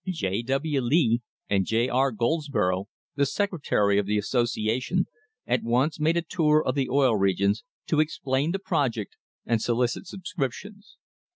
J. W. Lee and J. R. Goldsborough, the sec retary of the association, at once made a tour of the Oil Regions to explain the project and solicit subscriptions.